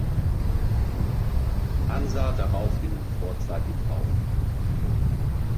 Hansa daraufhin vorzeitig auf.